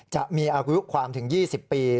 จะมีอายุความถึง๒๐ปี